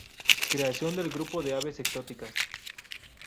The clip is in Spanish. Creación del Grupo de Aves Exóticas.